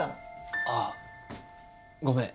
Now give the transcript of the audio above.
あっごめん